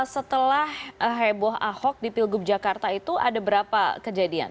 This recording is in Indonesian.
setelah heboh ahok di pilgub jakarta itu ada berapa kejadian